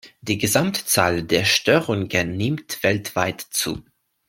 Die Gesamtzahl der Störungen nimmt weltweit zu.